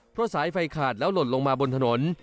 เพราะสายไฟขาดแล้วหล่นลงมาบนถนน